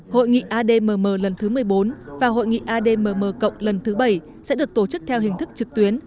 hội nghị admm lần thứ một mươi bốn và hội nghị admm cộng lần thứ bảy sẽ được tổ chức theo hình thức trực tuyến